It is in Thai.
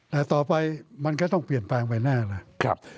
แต่ต่อไปมันก็ต้องเปลี่ยนแปลงไปแน่นะครับ